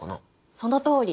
そのとおり！